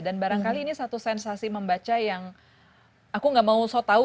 dan barangkali ini satu sensasi membaca yang aku gak mau so tau